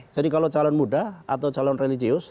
kalau calon muda atau calon religius